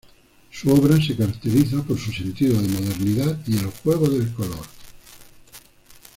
Su obra se caracteriza por su sentido de modernidad y el juego del color.